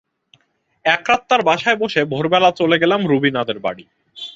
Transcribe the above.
একরাত তার বাসায় থেকে ভোরবেলা চলে গেলাম রুবিনাদের বাড়ি।